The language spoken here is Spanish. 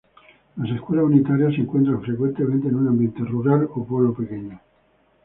Las escuelas unitarias se encuentran frecuentemente en un ambiente rural o pueblo pequeño.